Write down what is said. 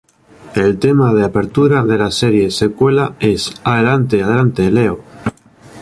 El tema de apertura de la serie secuela es "Adelante Adelante Leo!